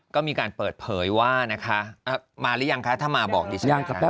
ก็มีการเปิดเผยว่านะคะมาหรือยังคะถ้ามาบอกดิฉัน